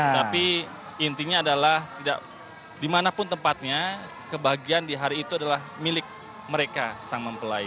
tapi intinya adalah tidak dimanapun tempatnya kebahagiaan di hari itu adalah milik mereka sang mempelai